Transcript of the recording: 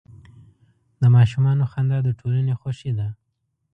د ماشومانو خندا د ټولنې خوښي ده.